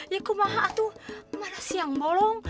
ya kumaha atuh mana sih yang bolong